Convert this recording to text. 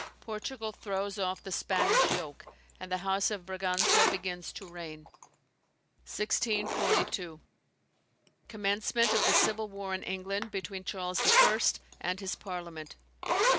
Portugal throws off the Spanish yoke: and the House of Braganza begins to reign. 1642. Commencement of the civil war in England between Charles I. and his parliament.